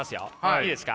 いいですか？